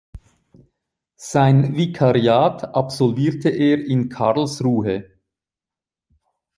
Sein Vikariat absolvierte er in Karlsruhe.